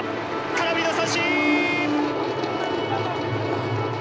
空振りの三振！」。